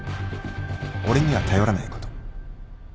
俺には頼らないこと。